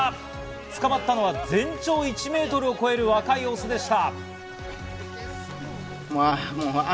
捕まったのは全長１ｍを超える若いオスでした。